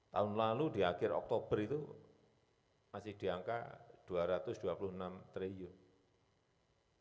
tahun lalu di akhir oktober itu masih di angka rp dua ratus dua puluh enam triliun